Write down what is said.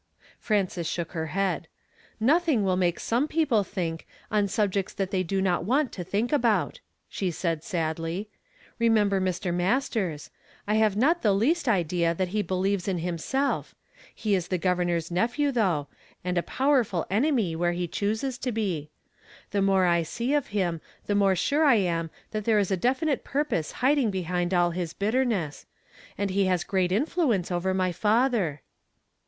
Fnmces shook her head. " Nothing will make some people think, on 8ul)jects that they do not want to think about," she said sadly. "lie member Mr. Mastei s ; I have not the least idea that he believes in himself; he is the governor's nephew, tliough, and a powerful enemy where he chooses to be. Tlie more I see of him, the more sure r am that tliere is a definite purpose hiding behind all his bitterness ; and he has great influ ence ovej' my father."